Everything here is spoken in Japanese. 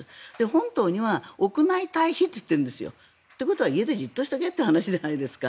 本島には屋内退避って言っているんですよ。ということは家でじっとしとけという話じゃないですか。